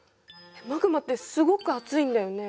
マグマってすごく熱いんだよね。